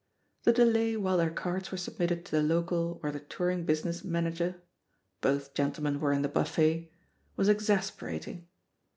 The delay while their cards were submitted to the local or the touring business manager both gentlemen were in the buffet — ^was exasperating.